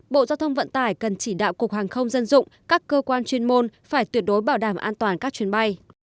bộ giao thông vận tải cần chỉ đạo cục hàng không dân dụng các cơ quan chuyên môn phải tuyệt đối bảo đảm an toàn các chuyến bay